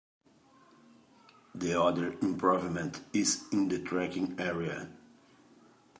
The other improvement is in the tracking area.